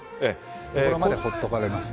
それまでほっとかれました。